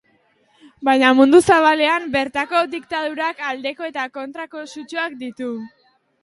Baina mundu zabalean, bertako diktadurak aldeko eta kontrako sutsuak ditu.